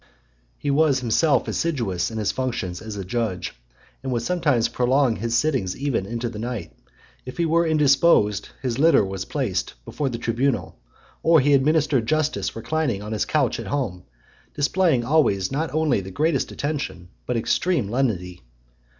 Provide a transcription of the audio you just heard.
He was himself assiduous in his functions as a judge, and would sometimes prolong his sittings even into the night : if he were indisposed, his litter was placed before (98) the tribunal, or he administered justice reclining on his couch at home; displaying always not only the greatest attention, but extreme lenity.